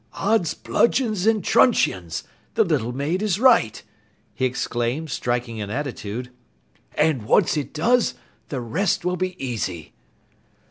"Odds bludgeons and truncheons! The little maid is right!" he exclaimed, striking an attitude. "And once it does, the rest will be easy."